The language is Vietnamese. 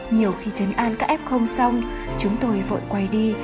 nhiều khi chấn an các ép không xong chúng tôi vội quay đi